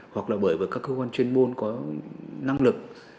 hoặc là bởi các cơ quan chuyên môn có năng lực